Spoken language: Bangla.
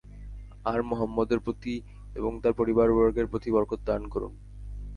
আর মুহাম্মদের প্রতি এবং তার পরিবারবর্গের প্রতি বরকত দান করুন।